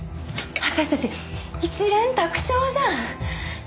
私たち一蓮托生じゃん！